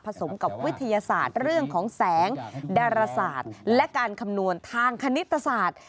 สมกับวิทยาศาสตร์เรื่องของแสงดาราศาสตร์และการคำนวณทางคณิตศาสตร์